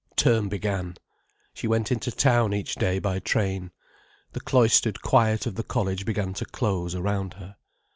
Term began. She went into town each day by train. The cloistered quiet of the college began to close around her.